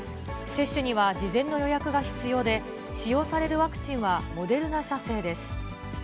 接種には事前の予約が必要で、使用されるワクチンはモデルナ社製です。